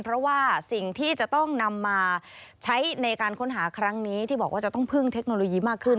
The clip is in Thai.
เพราะว่าสิ่งที่จะต้องนำมาใช้ในการค้นหาครั้งนี้ที่บอกว่าจะต้องพึ่งเทคโนโลยีมากขึ้น